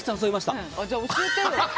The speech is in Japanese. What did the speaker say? じゃあ教えてよ。